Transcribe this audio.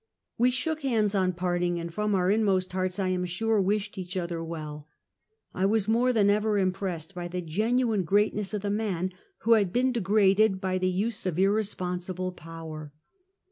We shook hands on parting, and from our inmost hearts, I am sure, wished each other well. I was more than ever impressed by the genuine greatness of the man, who had been degraded by the use of irresponsi ble power.